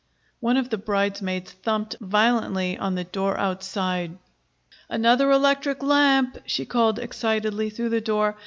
One of the bridesmaids thumped violently on the door outside. "Another electric lamp," she called excitedly through the door.